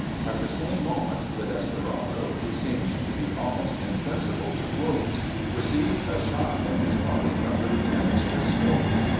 At the same moment the desperado, who seemed to be almost insensible to wounds, received a shot in his body from the lieutenant's pistol.